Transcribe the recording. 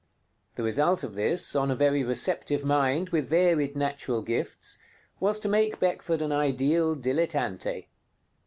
The result of this, on a very receptive mind with varied natural gifts, was to make Beckford an ideal dilettante.